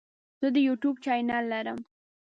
زه د یوټیوب چینل لرم.